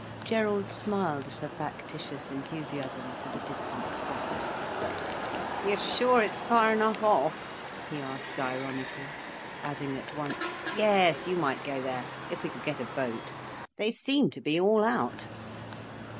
Gerald smiled at her factitious enthusiasm for the distant spot. "You're sure it's far enough off?" he asked ironically, adding at once: "Yes, you might go there, if we could get a boat. They seem to be all out."